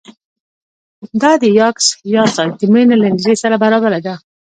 دا د یاکس یاساج د مړینې له نېټې سره برابره ده